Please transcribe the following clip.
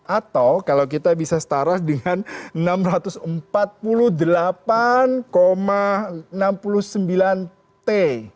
atau kalau kita bisa setara dengan enam ratus empat puluh delapan enam puluh sembilan t